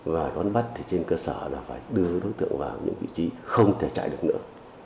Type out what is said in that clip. và đón bắt thì trên cơ sở là phải đưa đối tượng vào những vị trí không thể chạy được nữa